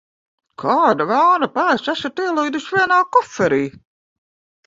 Kāda velna pēc esat ielīduši vienā koferī?